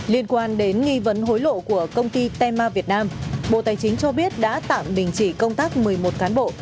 liên quan đến nghi vấn hối lộ của công ty tenma việt nam bộ tài chính cho biết đã tạm đình chỉ công tác một mươi một cán bộ